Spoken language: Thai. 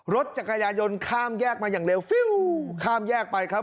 รถจักรยายนข้ามแยกมาอย่างเร็วฟิวข้ามแยกไปครับ